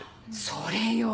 それよ！